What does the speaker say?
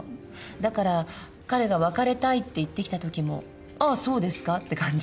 だから彼が「別れたい」って言ってきたときも「ああそうですか」って感じ。